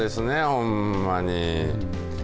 ほんまに。